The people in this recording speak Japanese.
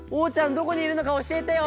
どこにいるのかおしえてよ！